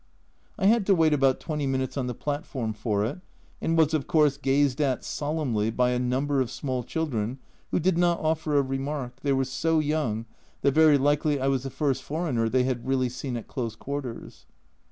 I had to wait about twenty minutes on the platform for it, and was of course gazed at solemnly by a number of small children who did not offer a remark, they were so young that very likely I was the first foreigner they had really seen at close quarters.